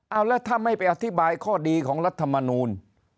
เอาแล้วถ้าไม่ไปอธิบายข้อดีของรัฐมนูล